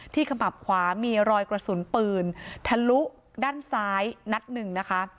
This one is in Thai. ขมับขวามีรอยกระสุนปืนทะลุด้านซ้ายนัดหนึ่งนะคะ